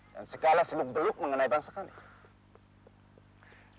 dan segala seluk beluk mengenai bangsa kami